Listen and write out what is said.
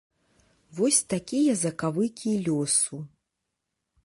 Вось такія закавыкі лёсу.